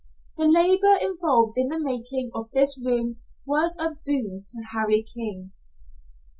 The labor involved in the making of this room was a boon to Harry King.